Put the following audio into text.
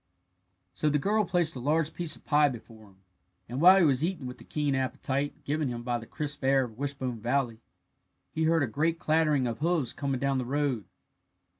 So the girl placed a large piece of pie before him; and while he was eating with the keen appetite given him by the crisp air of Wishbone Valley, he heard a great clattering of hoofs coming down the road.